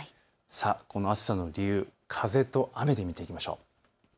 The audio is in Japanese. この暑さの理由、風と雨で見ていきましょう。